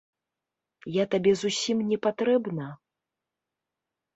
Я табе зусім не патрэбна?